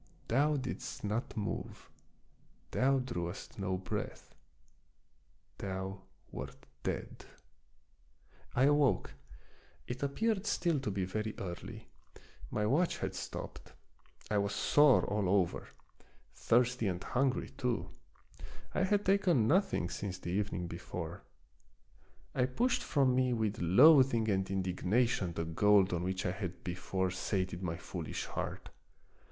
Thou didst not move ; thou drewest no breath ; thou wert dead ! I awoke. It appeared still to be very early. My watch had stopped. I was sore all over ; thirsty and hungry too ; I had taken nothing since the evening before. I pushed from me with loathing and indignation the gold on which I had before sated my foolish heart.